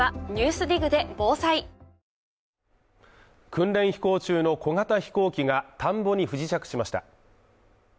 訓練飛行中の小型飛行機が田んぼに不時着しました。